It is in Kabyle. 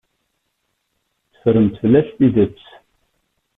Teffremt fell-as tidet.